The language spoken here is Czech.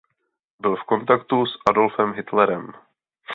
Byl v kontaktu s Adolfem Hitlerem.